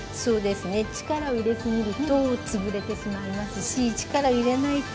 力を入れ過ぎると潰れてしまいますし力を入れないと